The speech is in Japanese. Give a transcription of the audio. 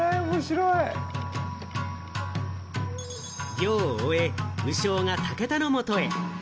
漁を終え、鵜匠が武田のもとへ。